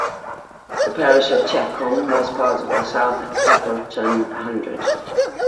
The parish of Chaffcombe was part of the South Petherton Hundred.